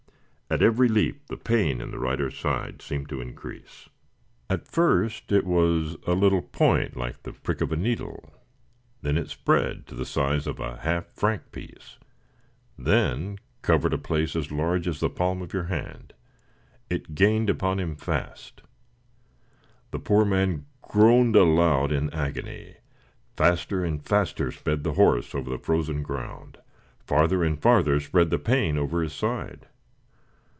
At every leap the pain in the rider's side seemed to increase. At first it was a little point like the prick of a needle then it spread to the size of a half franc piece then covered a place as large as the palm of your hand. It gained upon him fast. The poor man groaned aloud in agony; faster and faster sped the horse over the frozen ground farther and farther spread the pain over his side.